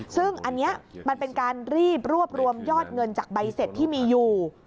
ซึ่งอันนี้มันเป็นการรีบรวบรวมยอดเงินจากใบเสร็จที่มีอยู่